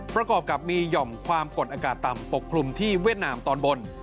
ประกอบกับมีหย่อมความกดอากาศต่ำปกคลุมที่เวียดนามตอนบน